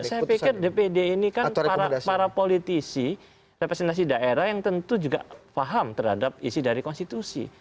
saya pikir dpd ini kan para politisi representasi daerah yang tentu juga faham terhadap isi dari konstitusi